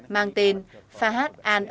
mang tên fahad al obaily còn được gọi tắt là fahad